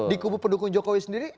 di kubu pendukung jokowi sendiri